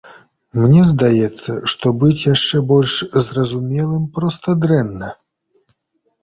Мне здаецца, што быць яшчэ больш зразумелым проста дрэнна.